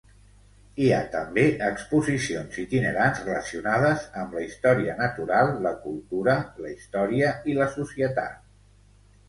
Hi ha també exposicions itinerants relacionades amb la història natural, la cultura, la història i la societat.